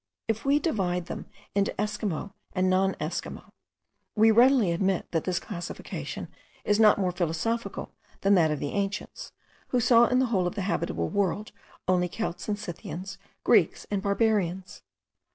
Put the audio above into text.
If we divide them into Esquimaux and non Esquimaux, we readily admit that this classification is not more philosophical than that of the ancients, who saw in the whole of the habitable world only Celts and Scythians, Greeks, and Barbarians.